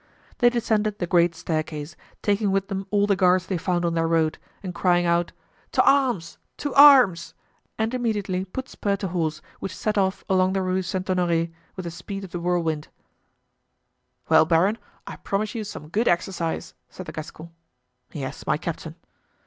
They descended the great staircase, taking with them all the guards they found on their road, and crying out, "To arms! To arms!" and immediately put spur to horse, which set off along the Rue Saint Honore with the speed of the whirlwind. "Well, baron, I promise you some good exercise!" said the Gascon. "Yes, my captain."